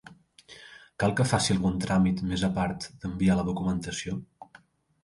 Cal que faci algun tràmit més a part d'enviar la documentació?